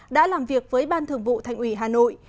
đã làm việc với ban thường vụ thành ủy hà nội